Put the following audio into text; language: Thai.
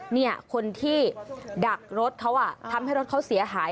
เนี่ยคนที่ดักรถเขาอ่ะทำให้รถเขาเสียหาย